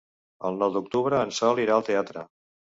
El nou d'octubre en Sol irà al teatre.